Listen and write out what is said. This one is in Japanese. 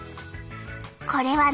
これはね